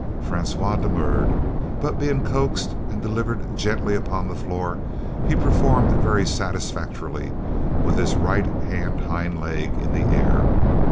Francois demurred, but being coaxed and delivered gently upon the floor, he performed very satisfactorily, with his "right hand hind leg" in the air.